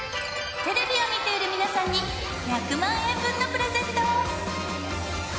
テレビを見ている皆さんに１００万円分のプレゼント。